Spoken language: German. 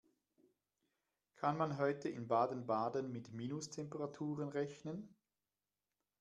Kann man heute in Baden-Baden mit Minustemperaturen rechnen?